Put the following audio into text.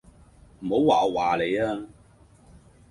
唔好話我話你吖